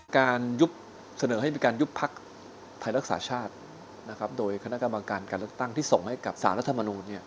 การยุบเสนอให้เป็นการยุบพรรคไทยรักษาชาตินะครับโดยคณะกรรมการการรักตั้งที่ส่งให้กับสารรัฐมนตร์เนี่ย